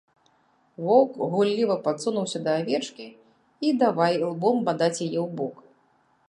Воўк гулліва падсунуўся да авечкі і давай ілбом бадаць яе ў бок.